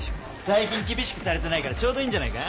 最近厳しくされてないからちょうどいいんじゃないか？